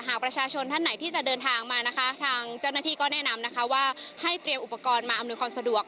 หากประชาชนท่านไหนที่จะเดินทางมานะคะทางเจ้าหน้าที่ก็แนะนำนะคะว่าให้เตรียมอุปกรณ์มาอำนวยความสะดวก